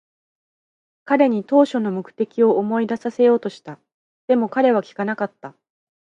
彼に当初の目的を思い出させようとした。でも、彼は聞かなかった。